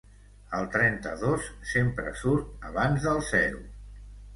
El trenta-dos sempre surt abans del zero.